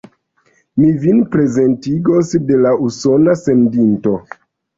Mi vin prezentigos de la Usona sendito.